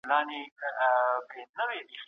د سياست په ډګر کي انعطاف اړين دی.